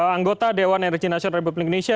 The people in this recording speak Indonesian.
anggota dewan energi nasional republik indonesia